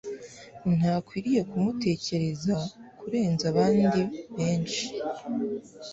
ntakwiriye kumutekereza kurenza abandi benshi